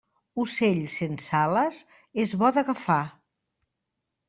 Ocell sense ales és bo d'agafar.